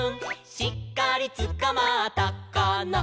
「しっかりつかまったかな」